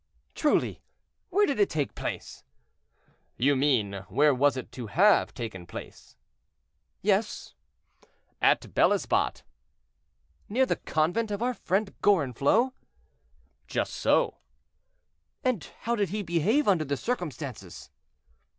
"Truly! where did it take place?" "You mean, where was it to have taken place?" "Yes." "At Bel Esbat." "Near the convent of our friend Gorenflot?" "Just so." "And how did he behave under the circumstances?"